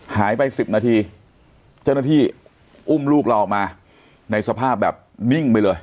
หายไป๑๐นาทีเจ้าหน้าที่อุ้มลูกเราออกมาในสภาพแบบนิ่งไปเลย